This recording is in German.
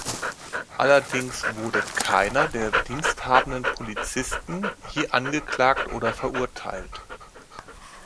Allerdings wurde keiner der diensthabenden Polizisten je angeklagt oder verurteilt.